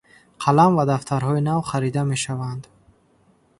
Қалам ва дафтарҳои нав харида мешаванд.